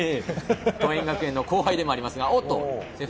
桐蔭学園の後輩でもありますが。